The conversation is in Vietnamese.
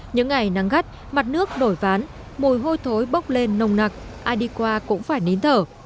những ngày nắng gắt mặt nước đổi ván mùi hôi thối bốc lên nồng nặc ai đi qua cũng phải nín thở